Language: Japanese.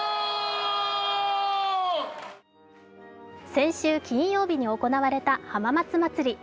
先週金曜日に行われた浜松まつり。